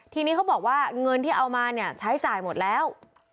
ทีนี้เขาบอกว่าเงินที่เอามาเนี่ยใช้จ่ายหมดแล้ว